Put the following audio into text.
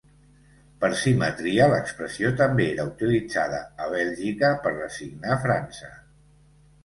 Per simetria l'expressió també era utilitzada a Bèlgica per designar França.